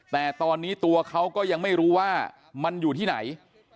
แต่ตอนนี้ตัวเขาก็ยังไม่รู้ว่ามันอยู่ที่ไหน